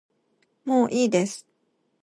もういいです